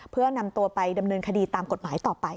เพื่อนำตัวไปดำเนินคดีตามกฎหมายต่อไป